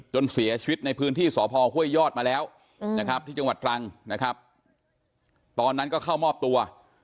จนเสียชีวิตในพื้นที่สพห้วยยอดมาแล้วนะครับที่จังหวัดตรังนะครับตอนนั้นก็เข้ามอบตัว